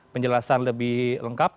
penjelasan lebih lengkap